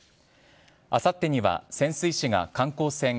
あさってには潜水士が観光船